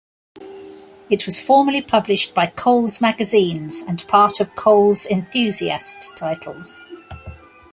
It was formerly published by Cowles Magazines and part of Cowles Enthusiast Titles.